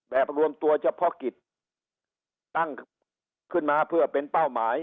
รวมตัวเฉพาะกิจตั้งขึ้นมาเพื่อเป็นเป้าหมาย